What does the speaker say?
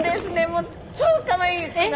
もう超かわいい子が。